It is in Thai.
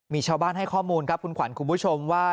มีชาวบ้านให้ข้อมูลครับคุณขวัญคุณผู้ชมว่า